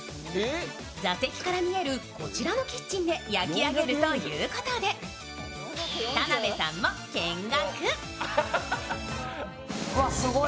座席から見えるこちらのキッチンで焼き上げるということで田辺さんも見学。